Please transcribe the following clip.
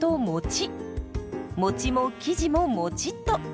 もちも生地ももちっと。